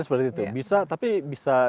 seperti itu tapi bisa